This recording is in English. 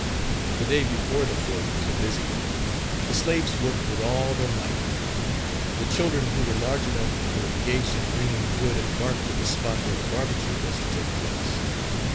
The day before the 4th was a busy one. The slaves worked with all their might. The children who were large enough were engaged in bringing wood and bark to the spot where the barbecue was to take place.